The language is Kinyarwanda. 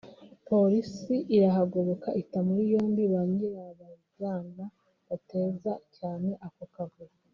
Polisi irahagoboka ita muri yombi ba nyirabayazana batezaga cyane ako kavuyo